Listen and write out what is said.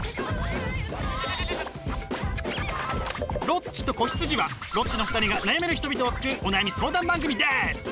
「ロッチと子羊」はロッチの２人が悩める人々を救うお悩み相談番組です！